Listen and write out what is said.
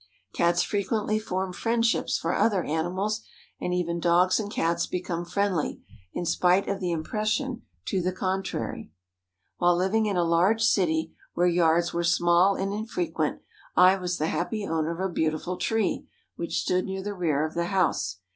Cats frequently form friendships for other animals, and even dogs and Cats become friendly, in spite of the impression to the contrary. While living in a large city where yards were small and infrequent, I was the happy owner of a beautiful tree, which stood near the rear of the house.